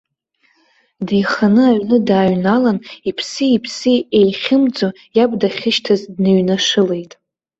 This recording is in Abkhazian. Деиханы аҩны дааҩналан, иԥси-иԥси еихьымӡо, иаб дахьышьҭаз дныҩнашылеит.